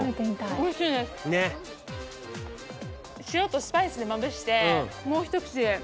塩とスパイスでまぶしてもう１口で。